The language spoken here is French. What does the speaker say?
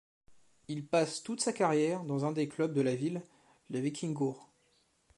Il passe toute sa carrière dans un des clubs de la ville, le Víkingur.